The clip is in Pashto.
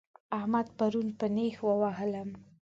احمد پرون په نېښ ووهلم